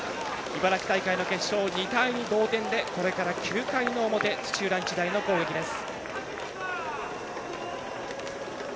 茨城大会の決勝、２対２の同点でこれから９回の表土浦日大の攻撃です。